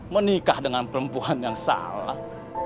menikah dengan perempuan yang salah